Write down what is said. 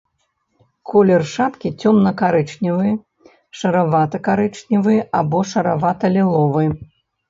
Колер шапкі цёмна-карычневы, шаравата-карычневы або шаравата-ліловы.